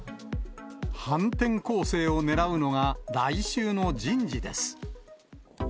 反転攻勢をねらうのが来週の人事です。